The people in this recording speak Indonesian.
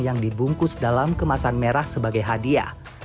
yang dibungkus dalam kemasan merah sebagai hadiah